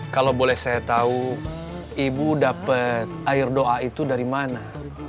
kalau boleh saya tahu ibu dapat air doa itu dari mana